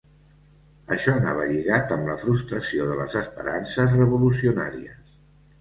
Això anava lligat amb la frustració de les esperances revolucionàries